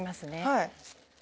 はい。